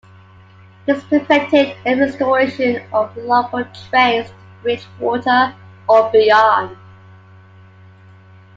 This prevented any restoration of local trains to Bridgewater or beyond.